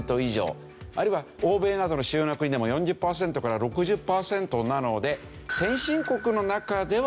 あるいは欧米などの主要な国でも４０パーセントから６０パーセントなので。